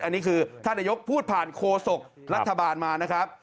อันนี้คือท่านนายกพูดผ่านโคศกรัฐบาลมานะครับ